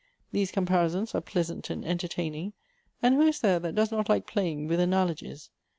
These comparisons are pleasant and entertaining ; and who is there that does not like playing with analogies?